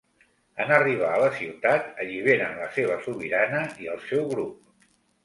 En arribar a la ciutat alliberen la seva sobirana i el seu grup.